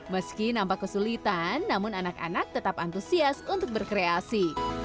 meski nampak kesulitan namun anak anak tetap antusias untuk berkreasi